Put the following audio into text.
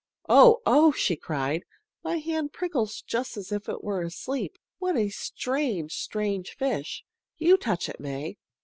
"Oh! oh!" she cried. "My hand prickles just as if it were asleep. What a strange, strange fish! You touch it, May."